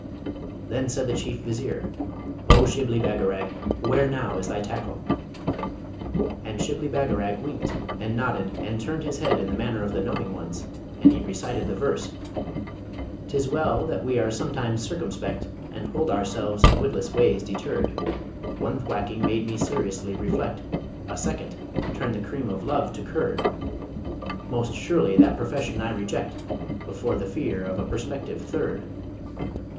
Then said the Chief Vizier, 'O Shibli Bagarag, where now is thy tackle?' And Shibli Bagarag winked and nodded and turned his head in the manner of the knowing ones, and he recited the verse: 'Tis well that we are sometimes circumspect, And hold ourselves in witless ways deterred: One thwacking made me seriously reflect; A SECOND turned the cream of love to curd: Most surely that profession I reject Before the fear of a prospective THIRD.